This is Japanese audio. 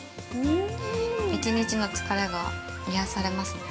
１日の疲れが癒されますね。